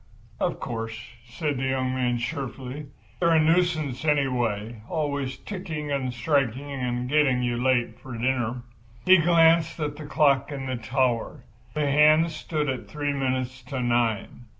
"Of course," said the young man, cheerfully, "they're a nuisance, anyway—always ticking and striking and getting you late for dinner." He glanced again at the clock in the tower. The hands stood at three minutes to nine.